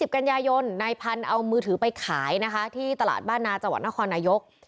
กันยายนนายพันธุ์เอามือถือไปขายนะคะที่ตลาดบ้านนาจังหวัดนครนายก